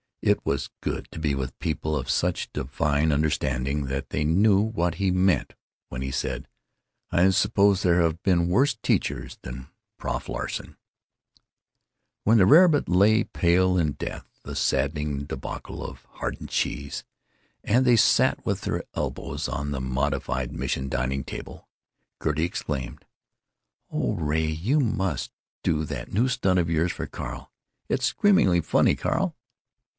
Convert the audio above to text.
It was good to be with people of such divine understanding that they knew what he meant when he said, "I suppose there have been worse teachers than Prof Larsen——!" When the rabbit lay pale in death, a saddening débâcle of hardened cheese, and they sat with their elbows on the Modified Mission dining table, Gertie exclaimed: "Oh, Ray, you must do that new stunt of yours for Carl. It's screamingly funny, Carl."